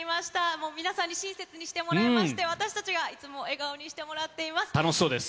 もう、皆さんに親切にしてもらいまして、私たちがいつも笑顔にしてもらっています。